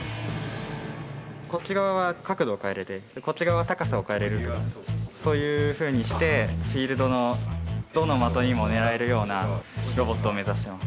こっち側は角度を変えれてこっち側は高さを変えれるそういうふうにしてフィールドのどの的にも狙えるようなロボットを目指してます。